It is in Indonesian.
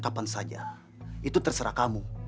kapan saja itu terserah kamu